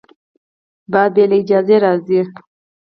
باد بې له اجازې راځي